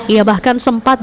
ia bahkan sempat